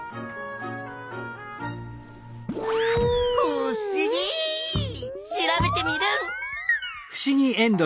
ふしぎ！調べテミルン！